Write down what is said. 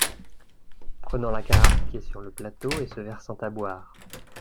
Prenant la carafe qui est sur le plateau et se versant à boire.